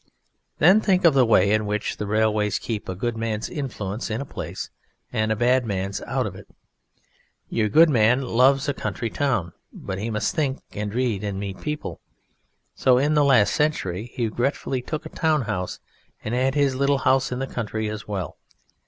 Then think of the way in which the railways keep a good man's influence in a place and a bad man's out of it. Your good man loves a country town, but he must think, and read, and meet people, so in the last century he regretfully took a town house and had his little house in the country as well.